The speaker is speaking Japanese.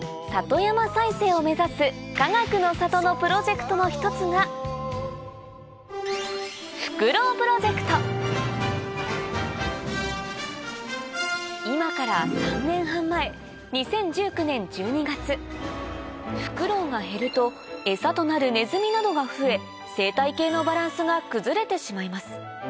そんなのプロジェクトの一つが今から３年半前フクロウが減ると餌となるネズミなどが増え生態系のバランスが崩れてしまいます